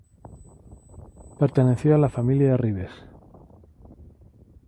Perteneció a la familia de Ribes.